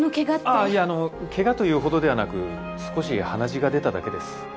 ああいえあの怪我というほどではなく少し鼻血が出ただけです。